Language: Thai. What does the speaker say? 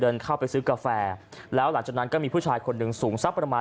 เดินเข้าไปซื้อกาแฟแล้วหลังจากนั้นก็มีผู้ชายคนหนึ่งสูงสักประมาณ